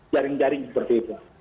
jaring jaring seperti itu